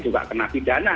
juga kena pidana